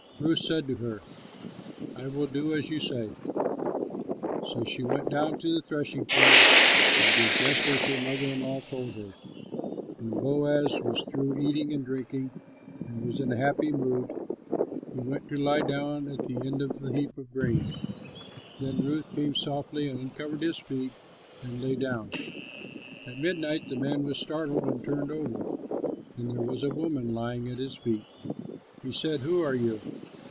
Ruth said to her, "I will do as you say." So she went down to the threshing floor and did just as her mother in law told her. When Boaz was through eating and drinking and was in a happy mood, he went to lie down at the end of the heap of grain. Then Ruth came softly and uncovered his feet and lay down. At midnight the man was startled and turned over, and there was a woman lying at his feet. He said, "Who are you?"